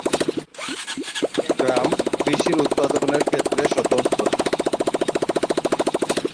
গ্রাম কৃষির উৎপাদনের ক্ষেত্রে স্বতন্ত্র।